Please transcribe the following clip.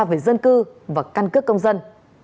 về dân cư và căn cước công dân